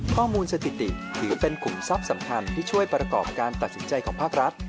ข้อมูลสถิติถือเป็นกลุ่มทรัพย์สำคัญที่ช่วยประกอบการตัดสินใจของภาครัฐ